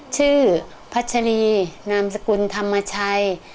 ชื่อพัชรีนามสกุลธรรมชัย